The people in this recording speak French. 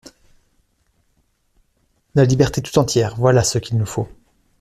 La liberté tout entière, voilà ce qu'il nous faut!